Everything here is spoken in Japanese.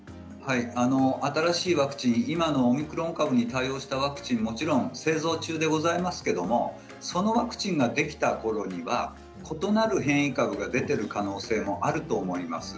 新しいワクチン今のオミクロン株に対応したワクチンも製造中でございますがそのワクチンができたころには異なる変異株が出ている可能性があると思います。